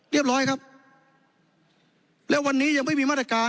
เรียบร้อยครับและวันนี้ยังไม่มีมาตรการ